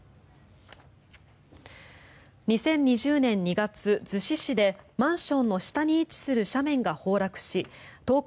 ２０２０年２月、逗子市でマンションの下に位置する斜面が崩落し登校